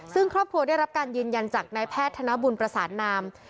ซึ่งครอบครัวได้รับการยืนยันจากนายแพทย์ธนบุญประสานนาม